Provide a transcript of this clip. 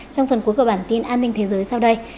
trong phần cuối của bản tin an ninh thế giới sau đây